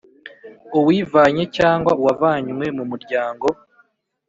Uwivanye cyangwa uwavanywe mu muryango